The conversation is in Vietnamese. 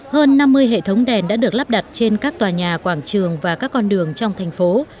hơn năm mươi hệ thống đèn đã được lắp đặt trên các tòa nhà quảng trường và các con đường trong thành phố